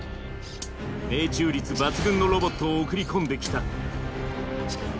命中率抜群のロボットを送り込んできた。